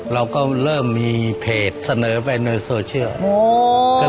เราก็เริ่มมีเพจเสนอไปในโซเชียล